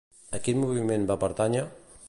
A quin moviment va pertànyer?